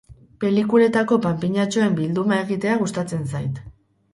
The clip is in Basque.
Pelikuletako panpinatxoen bilduma egitea gustatzen zait.